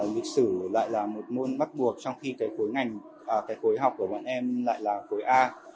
lịch sử lại là một môn bắt buộc trong khi cái khối học của bọn em lại là khối a